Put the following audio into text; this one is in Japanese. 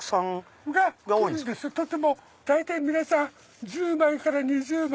大体皆さん１０枚から２０枚。